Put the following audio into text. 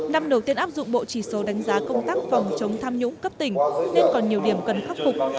năm đầu tiên áp dụng bộ chỉ số đánh giá công tác phòng chống tham nhũng cấp tỉnh nên còn nhiều điểm cần khắc phục